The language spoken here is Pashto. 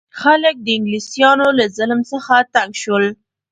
خلک د انګلیسانو له ظلم څخه تنګ شول.